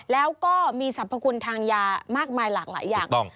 แล้วก็มีสรรพคุณทางยามากมายหลากหลายอย่าง